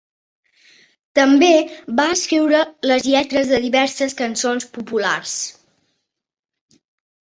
També va escriure les lletres de diverses cançons populars.